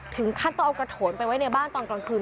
ถึงขั้นต้องเอากระโถนไปไว้ในบ้านตอนกลางคืน